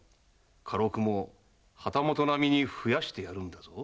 家禄も旗本並みに増やしてやるのだぞ。